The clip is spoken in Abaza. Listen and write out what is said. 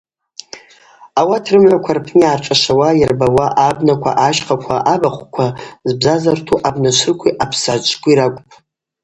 Ауат рымгӏваква рпны йгӏарпшӏашвауа, йырбауа абнаква, ащхъаква, абыхъвква збзазарту абна швыркви апссгӏачӏвкви ракӏвпӏ.